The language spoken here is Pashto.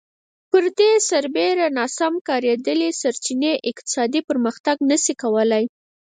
پر دې سربېره ناسم کارېدلې سرچینې اقتصادي پرمختګ نه شي کولای